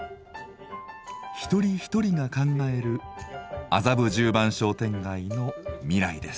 一人一人が考える麻布十番商店街の未来です。